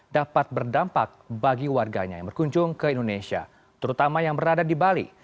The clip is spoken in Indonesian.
dapat berdampak bagi warganya yang berkunjung ke indonesia terutama yang berada di bali